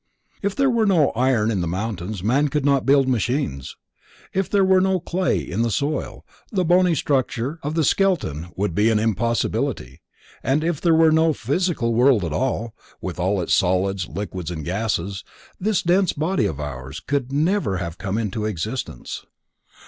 If there were no iron in the mountains man could not build machines. If there were no clay in the soil, the bony structure of the skeleton would be an impossibility, and if there were no Physical World at all, with its solids, liquids and gases, this dense body of ours could never have come into existence.